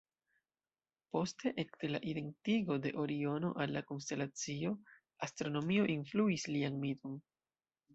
Poste, ekde la identigo de Oriono al la konstelacio, astronomio influis lian miton.